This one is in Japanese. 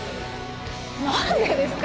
何でですか。